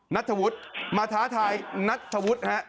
นัทธวุธมาท้าไทนัทธวุธ